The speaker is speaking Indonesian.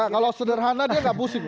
kalau sederhana dia nggak pusing